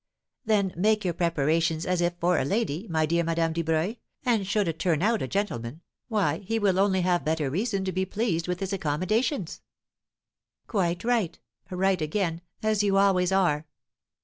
"Then make your preparations as if for a lady, my dear Madame Dubreuil; and, should it turn out a gentleman, why he will only have better reason to be pleased with his accommodations." "Quite right; right again, as you always are."